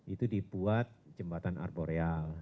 itu dibuat jembatan arboreal